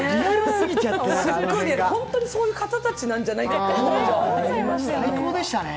本当にそういう方たちなんじゃないかって思いましたよね。